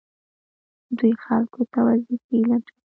دوی خلکو ته وظیفې لټوي.